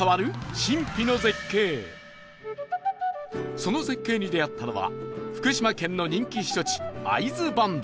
その絶景に出会ったのは福島県の人気避暑地会津磐梯